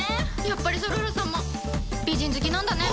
やっぱり猿原さんも美人好きなんだね。